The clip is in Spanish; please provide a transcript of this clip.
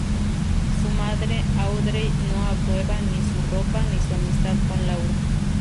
Su madre Audrey no aprueba ni su ropa ni su amistad con Laura.